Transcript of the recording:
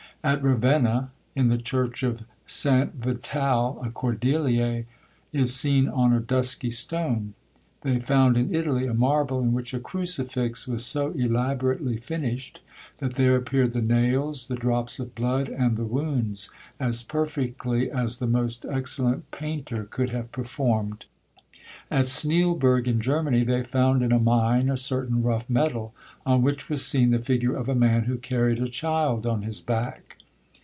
At Ravenna, in the church of St. Vital, a cordelier is seen on a dusky stone. They found in Italy a marble, in which a crucifix was so elaborately finished, that there appeared the nails, the drops of blood, and the wounds, as perfectly as the most excellent painter could have performed. At Sneilberg, in Germany, they found in a mine a certain rough metal, on which was seen the figure of a man, who carried a child on his back.